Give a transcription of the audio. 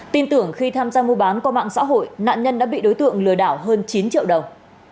tin tưởng khi tham gia mua bán qua mạng xã hội nạn nhân đã bị đối tượng lừa đảo hơn chín triệu đồng